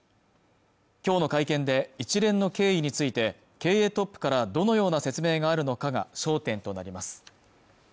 きょうの会見で一連の経緯について経営トップからどのような説明があるのかが焦点となります